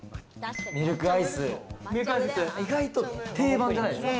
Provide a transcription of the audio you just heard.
ミルクアイス、意外と定番じゃないですか。